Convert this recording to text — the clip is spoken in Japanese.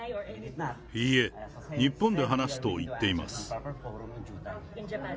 いいえ、日本で話すと言っています。